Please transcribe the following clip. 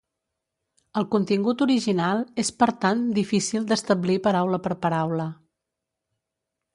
El contingut original és per tant difícil d'establir paraula per paraula.